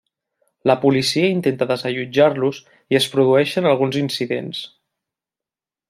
La policia intenta desallotjar-los i es produeixen alguns incidents.